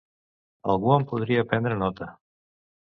Algú en podria prendre nota.